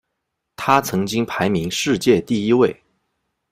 他曾经排名世界第一位。